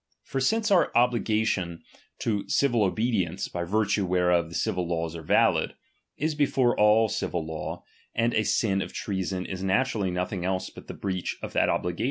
For since our obligation to civil obe dience, by virtue whereof the civil laws are valid, is before all civil law, and the sin of treason is 7RAP. xl I DOMINION. 201 iiaturally nothing else but the breach of that obli crap.